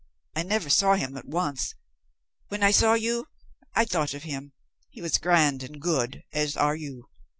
I never saw him but once. When I saw you, I thought of him. He was grand and good, as are you.